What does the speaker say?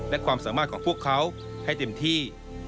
และความสามารถของพวกเขาให้เต็มที่